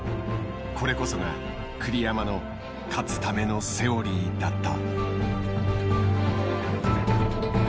これこそが栗山の勝つためのセオリーだった。